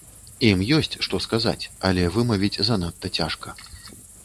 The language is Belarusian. Ім ёсць што сказаць, але вымавіць занадта цяжка.